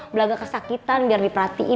belaga kesakitan biar diperhatiin